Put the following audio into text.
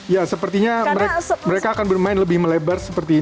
ya sepertinya mereka akan bermain lebih melebar seperti ini